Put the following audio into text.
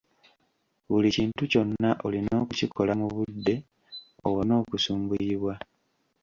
Buli kintu kyonna olina okukikola mu budde owone okusumbuyibwa.